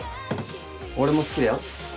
俺も好きだよ